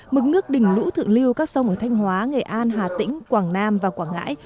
mức nước đỉnh lũ thượng lưu các sông ở thanh hóa nghệ an hà tĩnh quảng nam và quảng ngãi